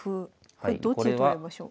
これどっちで取りましょう？